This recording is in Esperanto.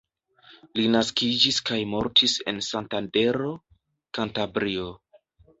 Li naskiĝis kaj mortis en Santandero, Kantabrio.